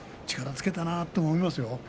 力をつけたなと思いますよ。